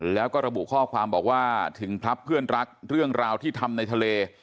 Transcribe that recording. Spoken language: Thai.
แล้วก็ระบุข้อความบอกว่าถึงพลับเพื่อนรักเรื่องราวที่ทำในทะเล